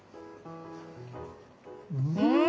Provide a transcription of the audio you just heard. うん！